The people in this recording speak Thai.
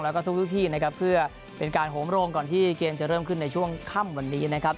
แล้วก็ทุกที่นะครับเพื่อเป็นการโหมโรงก่อนที่เกมจะเริ่มขึ้นในช่วงค่ำวันนี้นะครับ